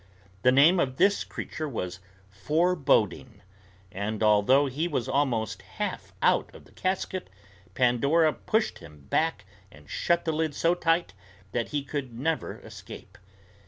The name of this creature was Foreboding, and although he was almost half out of the casket, Pandora pushed him back and shut the lid so tight that he could never escape.